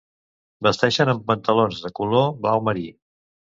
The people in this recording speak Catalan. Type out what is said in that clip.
Vesteixen amb pantalons de color blau marí.